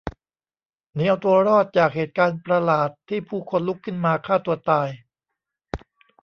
หนีเอาตัวรอดจากเหตุการณ์ประหลาดที่ผู้คนลุกขึ้นมาฆ่าตัวตาย